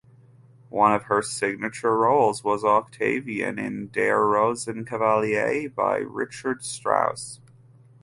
One of her signature roles was Octavian in "Der Rosenkavalier" by Richard Strauss.